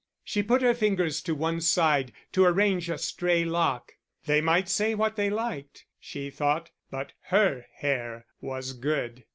She put her fingers to one side, to arrange a stray lock: they might say what they liked, she thought, but her hair was good.